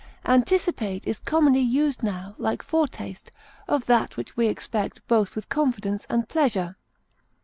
Anticipate is commonly used now, like foretaste, of that which we expect both with confidence and pleasure.